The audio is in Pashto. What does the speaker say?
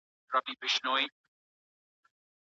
حتی که ئې تر طلاق وروسته ولي اجازه هم ورکړي.